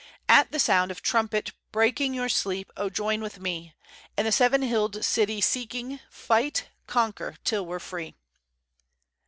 At the sound of trumpet, breaking Your sleep, oh, join with me! And the seven hilled city seeking, Fight, conquer, till we're free!"